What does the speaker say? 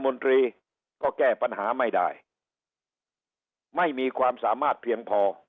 นตรีก็แก้ปัญหาไม่ได้ไม่มีความสามารถเพียงพอ